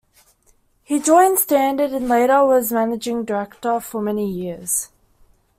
He joined Standard and later was managing director for many years.